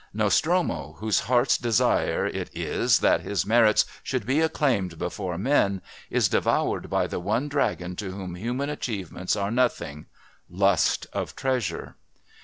Nostromo, whose heart's desire it is that his merits should be acclaimed before men, is devoured by the one dragon to whom human achievements are nothing lust of treasure.